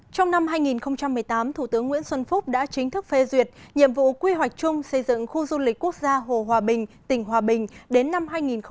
trong năm hai nghìn một mươi tám thủ tướng nguyễn xuân phúc đã chính thức phê duyệt nhiệm vụ quy hoạch chung xây dựng khu du lịch quốc gia hồ hòa bình tỉnh hòa bình đến năm hai nghìn hai mươi